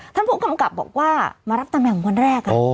ท่านผู้กำกับบอกว่ามารับตำแหน่งวันแรก